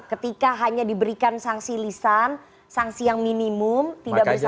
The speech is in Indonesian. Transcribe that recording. ketika hanya diberikan sanksi lisan sanksi yang minimum tidak bersalah